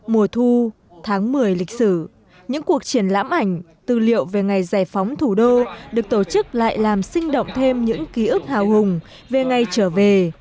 mùa thu tháng một mươi lịch sử những cuộc triển lãm ảnh tư liệu về ngày giải phóng thủ đô được tổ chức lại làm sinh động thêm những ký ức hào hùng về ngày trở về